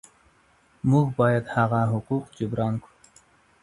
موږ باید هغه حقوق جبران کړو.